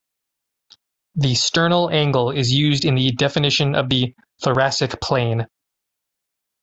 The sternal angle is used in the definition of the thoracic plane.